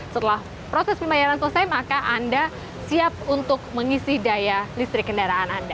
setelah proses pembayaran selesai maka anda siap untuk mengisi daya listrik kendaraan anda